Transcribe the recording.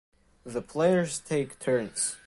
The players take turns.